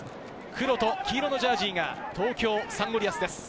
黒と黄色のジャージーが東京サンゴリアスです。